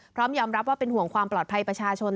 พร้อมยอมรับว่าเป็นห่วงความปลอดภัยประชาชน